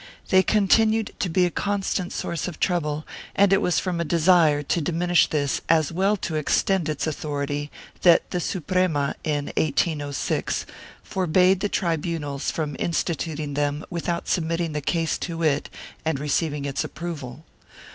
They continued to be a constant source of trouble and it was from a desire to diminish this, as well as to extend its authority, that the Suprema, in 1806, forbade the tribunals from instituting them without submitting the case to it and receiving its approval.